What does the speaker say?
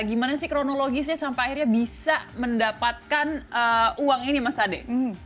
gimana sih kronologisnya sampai akhirnya bisa mendapatkan uang ini mas ade